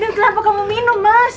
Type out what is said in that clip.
dan kenapa kamu minum mas